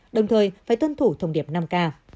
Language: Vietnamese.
đồng thời phải tuân thủ thông điệp năm k